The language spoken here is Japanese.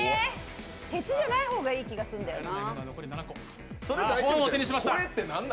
鉄じゃない方がいい気がするんだよな。